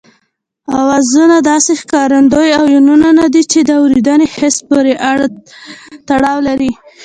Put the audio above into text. آوازونه داسې ښکارندې او يوونونه دي چې د اورېدني حس پورې تړاو لري